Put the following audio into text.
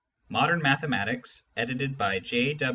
Modern Mathematics, edited by J.